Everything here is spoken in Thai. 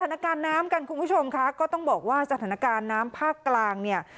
น้ำกันคุณผู้ชมค่ะก็ต้องบอกว่าสถานการณ์น้ำภาคกลางเนี่ย